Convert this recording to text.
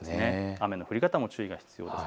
雨の降り方も注意が必要です。